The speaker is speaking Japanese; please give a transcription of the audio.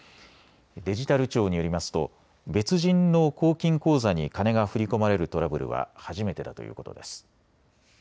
デジタル庁によりますと別人の公金口座に金が振り込まれるトラブルは初めてだということです。